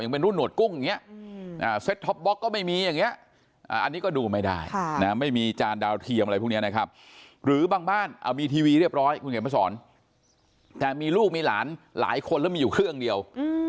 อันนี้ก็ดูไม่ได้ไม่มีจานดาวเทียมอะไรพวกนี้นะครับหรือบางบ้านเอามีทีวีเรียบร้อยคุณเห็นประสอร์นแต่มีลูกมีหลานหลายคนแล้วมีอยู่เครื่องเดียว